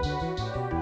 tidak bisa diandalkan